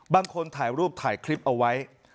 บางคนถ่ายรูปถ่ายคลิปเอาไว้